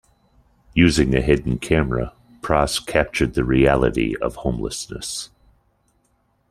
Using a hidden camera, Pras captured the reality of homelessness.